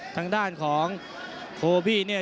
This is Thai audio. ทางด้านของโทบี้เนี่ย